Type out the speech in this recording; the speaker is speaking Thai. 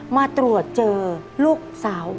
มาตรวจเจอลูกสาว